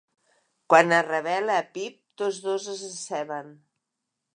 Quan es revela a Pip, tots dos es deceben.